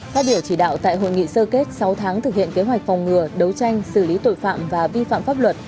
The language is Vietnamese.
phát biểu chỉ đạo tại hội nghị sơ kết sáu tháng thực hiện kế hoạch phòng ngừa đấu tranh xử lý tội phạm và vi phạm pháp luật